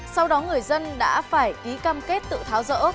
sau đó người dân đã phải ký cam kết tự tháo rỡ